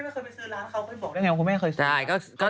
คุณแม่ไม่เคยไปซื้อร้านเขาเคยบอกได้ไงว่าคุณแม่เคยซื้อร้าน